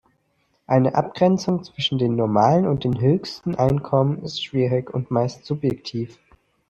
Eine Abgrenzung zwischen den „normalen“ und den „höchsten“ Einkommen ist schwierig und meist subjektiv.